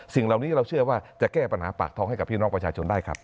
สิ่งเหล่านี้เราเชื่อว่าจะแก้ปัญหาปากท้องให้กับพี่น้องประชาชนได้ครับ